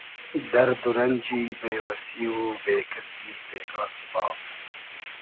دئرد و رئنجی بې وئسی و بې کئسی بېگا سوبا